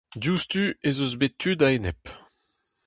Diouzhtu ez eus bet tud a-enep.